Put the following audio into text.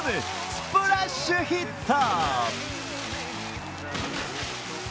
スプラッシュヒット！